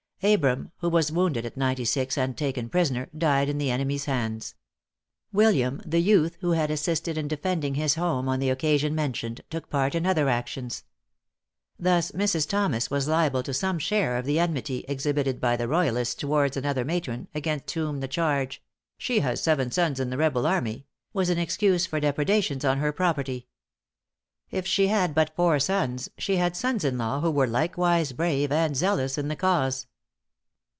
Abram, who was wounded at Ninety Six and taken prisoner, died in the enemy's hands. William, the youth who had assisted in defending his home on the occasion mentioned, took part in other actions. Thus Mrs. Thomas was liable to some share of the enmity exhibited by the royalists towards another matron, against whom the charge, "She has seven sons in the rebel army," was an excuse for depredations on her property. If she had but four sons, she had sons in law who were likewise brave and zealous in the cause.